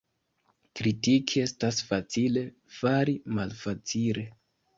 Kritiki estas facile, fari malfacile.